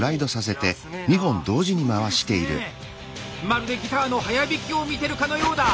まるでギターの速弾きを見てるかのようだ！